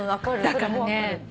だからね